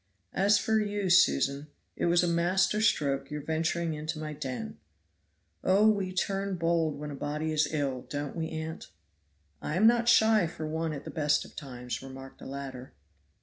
"As for you, Susan, it was a masterstroke your venturing into my den." "Oh! we turn bold when a body is ill, don't we, aunt?" "I am not shy for one at the best of times," remarked the latter.